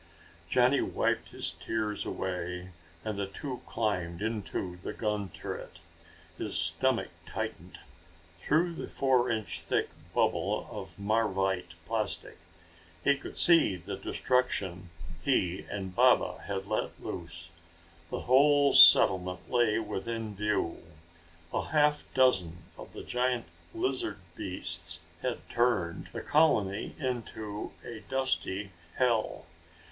Johnny wiped his tears away and the two climbed into the gun turret. His stomach tightened. Through the four inch thick bubble of marvite plastic he could see the destruction he and Baba had let loose. The whole settlement lay within view. A half dozen of the giant lizard beasts had turned, the colony into a dusty hell.